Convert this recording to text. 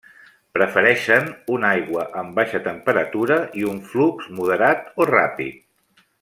Prefereixen una aigua amb baixa temperatura i un flux moderat o ràpid.